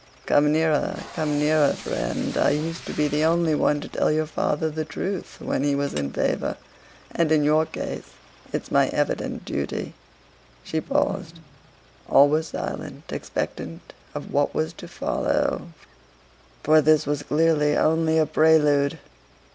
"Come nearer, come nearer, friend! I used to be the only one to tell your father the truth when he was in favor, and in your case it's my evident duty." She paused. All were silent, expectant of what was to follow, for this was clearly only a prelude.